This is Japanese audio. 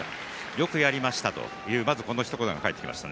よくやりましたというまずこのひと言が返ってきました。